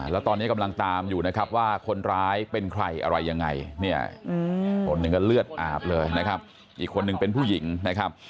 แล้วตอนนี้กำลังตามอยู่นะครับว่าคนร้ายเป็นใครอะไรยังไงเนี่ยคนหนึ่งก็เลือดอาบเลยนะครับอีกคนนึงเป็นผู้หญิงนะครับ